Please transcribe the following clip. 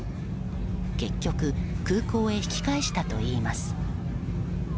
結局、空港へ引き返したといいます。